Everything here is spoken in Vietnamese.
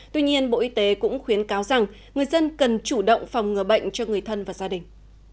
tuy nhiên bộ y tế cũng khuyến cáo rằng người dân cần chủ động phòng ngừa bệnh cho người thân và gia đình